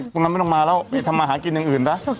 ตรงนั้นไม่ต้องมาแล้วนี่ทำมาหากินอย่างอื่นนะ